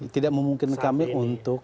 tidak memungkinkan kami untuk